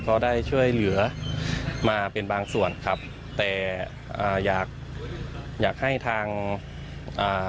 ก็ได้ช่วยเหลือมาเป็นบางส่วนครับแต่อ่าอยากอยากให้ทางอ่า